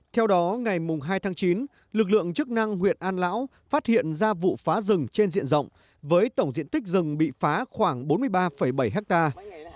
theo đó ngày hai tháng chín lực lượng chức năng huyện an lão phát hiện ra vụ phá rừng trên diện rộng với tổng diện tích rừng bị phá khoảng bốn mươi ba bảy hectare